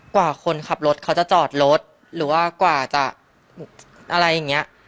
กว่าคนขับรถเขาจะจอดรถหรือว่ากว่าจะอะไรอย่างนี้